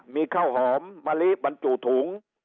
มีข้าวหอมมะลิบรรจุถุง